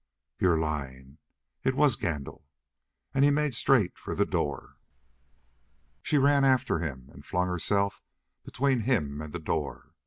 "You're lying. It was Gandil." And he made straight for the door. She ran after him and flung herself between him and the door.